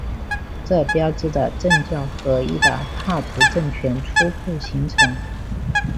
这标志着政教合一的帕竹政权初步形成。